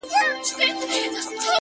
پرون مي دومره اوښكي توى كړې گراني”